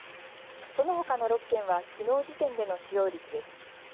そのほかの６県はきのう時点での使用率です。